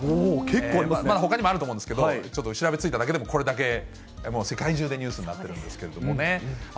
ほかにもあると思うんですけど、ちょっと調べついただけでもこれだけ、もう世界中でニュースになってるんですけれどもね。